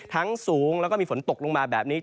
สูงแล้วก็มีฝนตกลงมาแบบนี้